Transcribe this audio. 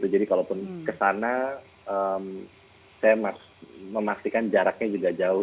jadi kalau ke sana saya memastikan jaraknya juga jauh